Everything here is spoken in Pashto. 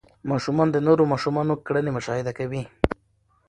ماشومان د نورو ماشومانو کړنې مشاهده کوي.